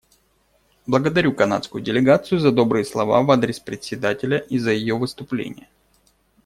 Благодарю канадскую делегацию за добрые слова в адрес Председателя и за ее выступление.